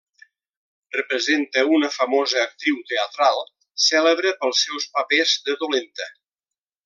Representa una famosa actriu teatral, cèlebre pels seus papers de dolenta.